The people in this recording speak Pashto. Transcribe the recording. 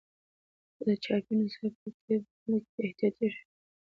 خو د چاپي نسخې په ترتیبولو کې بې احتیاطي شوې ده.